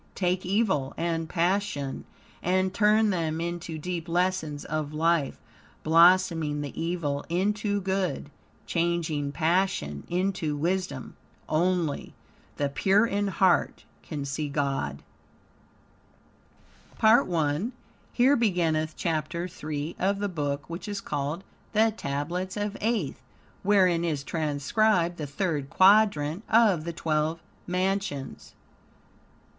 Take evil and passion, and turn them into deep lessons of life, blossoming the evil into good, changing passion into wisdom. Only "the pure in heart can see God." PART I Here beginneth Chapter 3 of the Book which is called "The Tablets of Aeth," wherein is transcribed the Third Quadrant of the Twelve Mansions.